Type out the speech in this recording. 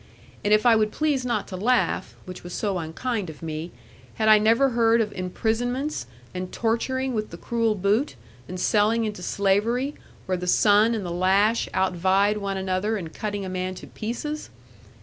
And if I would please not to laugh (which was so unkind of me), had I never heard of imprisonments, and torturing with the cruel boot, and selling into slavery, where the sun and the lash outvied one another in cutting a man to pieces?